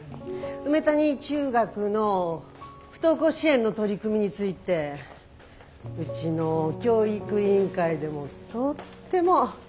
梅谷中学の不登校支援の取り組みについてうちの教育委員会でもとっても注目してるんですのよ。